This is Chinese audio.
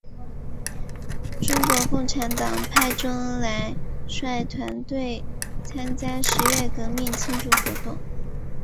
中国共产党派周恩来率团参加十月革命庆祝活动。